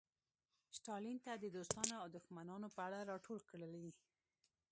ستالین ته د دوستانو او دښمنانو په اړه راټول کړي.